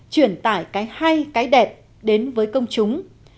truyền tải cái hay cái đẹp đến với công chúng